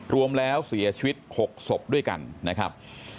รวมแล้วเสียชีวิต๖ศพด้วยกันนะครับ